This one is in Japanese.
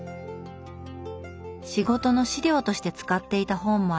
仕事の資料として使っていた本もあります。